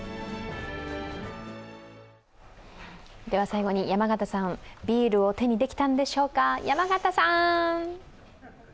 最後に山形さん、ビールを手にできたんでしょうか。